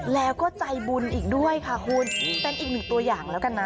แล้วก็ใจบุญอีกด้วยค่ะคุณเป็นอีกหนึ่งตัวอย่างแล้วกันนะ